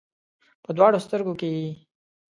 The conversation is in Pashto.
په دواړو سترګو کې یې